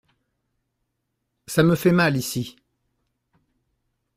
Ça me fait mal ici.